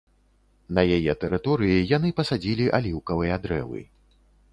На яе тэрыторыі яны пасадзілі аліўкавыя дрэвы.